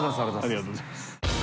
ありがとうございます。